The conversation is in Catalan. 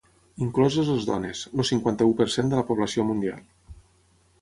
Incloses les dones, el cinquanta-u per cent de la població mundial.